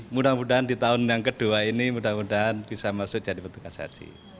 mudah mudahan di tahun yang kedua ini mudah mudahan bisa masuk jadi petugas haji